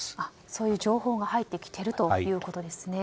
そういう情報が入ってきているということですね。